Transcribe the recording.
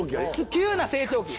急な成長期。